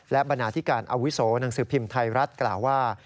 และบรรณาธิการอาวุโสหนังสือพิมพ์ไทยรัฐกล่าวว่า